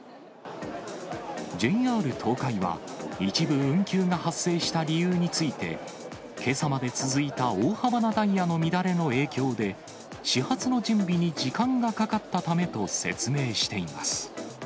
ＪＲ東海は、一部運休が発生した理由について、けさまで続いた大幅なダイヤの乱れの影響で、始発の準備に時間がかかったためと説明しています。